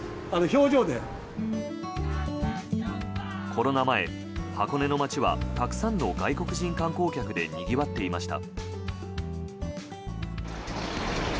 コロナ前、箱根の町はたくさんの外国人観光客でにぎわっていました。